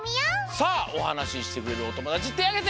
さあおはなししてくれるおともだちてあげて！